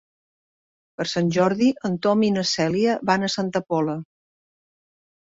Per Sant Jordi en Tom i na Cèlia van a Santa Pola.